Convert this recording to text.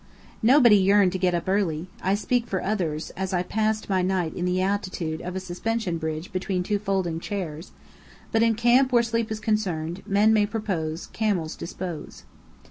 Nobody yearned to get up early (I speak for others, as I passed my night in the attitude of a suspension bridge between two folding chairs); but in camp where sleep is concerned, men may propose, camels dispose.